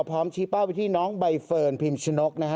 พร้อมชี้เป้าไปที่น้องใบเฟิร์นพิมชนกนะฮะ